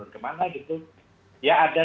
ke mana gitu ya ada